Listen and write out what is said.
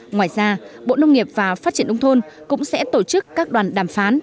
ngoài ra bộ nông nghiệp và phát triển nông thôn cũng sẽ tổ chức các đoàn đàm phán